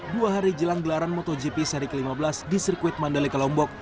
dua hari jelang gelaran motogp seri ke lima belas di sirkuit mandalika lombok